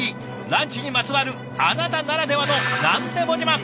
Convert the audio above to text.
ランチにまつわるあなたならではの何でも自慢。